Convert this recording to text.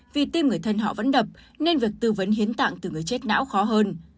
vì tim người thân họ vẫn đập nên việc tư vấn hiến tạng từ người chết não khó hơn